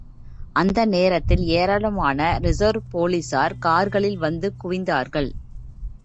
அந்த நேரத்தில் ஏராளமான ரிசர்வ் போலீசார் கார்களில் வந்து குவிந்தார்கள்.